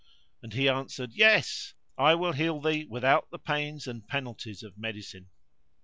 and he answered, "Yes! I will heal I thee without the pains and penalties of medicine."